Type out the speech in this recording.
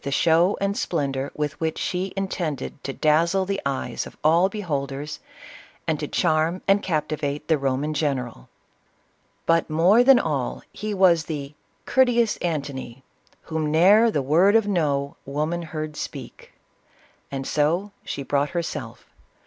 38 the show and splendor with which she intended to daz zle the eyes of all beholders, and to charm and capti vate the Roman general. But, more than all, he was the " courteous Antony, Whom ne'er the word of No woman beard speak, — and so she brought herself.